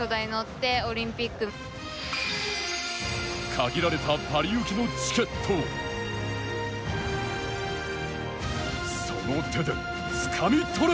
限られたパリ行きのチケットをその手で、つかみ取れ！